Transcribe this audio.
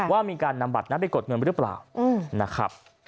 ว่ามีการนำบัตรนะไปกดเงินไปหรือเปล่า